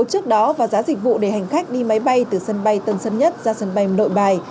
trước đó và giá dịch vụ để hành khách đi máy bay từ sân bay tân sân nhất ra sân bay nội bài